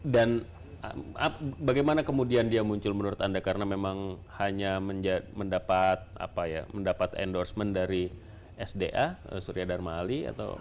dan bagaimana kemudian dia muncul menurut anda karena memang hanya mendapat endorsement dari sda surya dharma ali atau